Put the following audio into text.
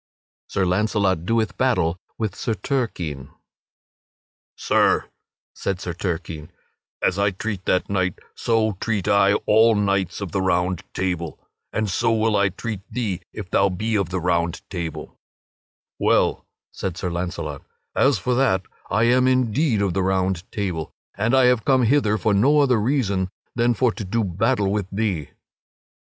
"Sir," said Sir Turquine, "as I treat that knight, so treat I all knights of the Round Table and so will I treat thee if thou be of the Round Table." "Well," said Sir Launcelot, "as for that, I am indeed of the Round Table, and I have come hither for no other reason than for to do battle with thee."